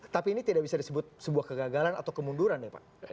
tapi ini tidak bisa disebut sebuah kegagalan atau kemunduran ya pak